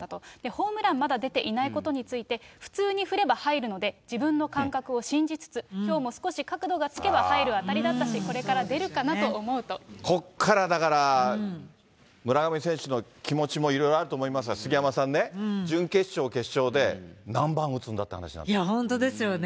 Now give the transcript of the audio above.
ホームランまだ出ていないことについて、普通に振れば入るので、自分の感覚を信じつつ、きょうも少し角度がつけば入る当たりだったし、こっから、だから村上選手の気持ちもいろいろあると思いますが、杉山さんね、準決勝、決勝で、本当ですよね。